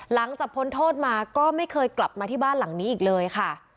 พ้นโทษมาก็ไม่เคยกลับมาที่บ้านหลังนี้อีกเลยค่ะ